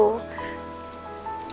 aku gak mau